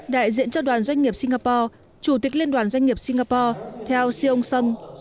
đại diện cho đoàn doanh nghiệp singapore chủ tịch liên đoàn doanh nghiệp singapore theo siêu ông song